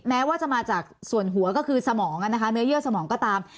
แม้ว่าจะมาจากส่วนหัวก็คือสมองนะคะเนื้อเยื่อสมองก็ตาม